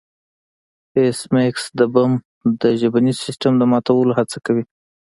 ایس میکس د بم د ژبني سیستم د ماتولو هڅه کوي